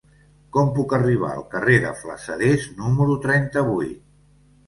Com puc arribar al carrer de Flassaders número trenta-vuit?